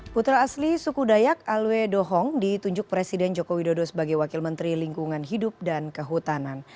putra asli suku dayak alwe dohong ditunjuk presiden joko widodo sebagai wakil menteri lingkungan hidup dan kehutanan